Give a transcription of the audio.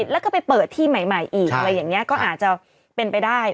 แล้วก็ไปเปิดที่ใหม่อีกอะไรอย่างนี้ก็อาจจะเป็นไปได้